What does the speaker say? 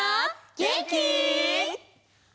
げんき？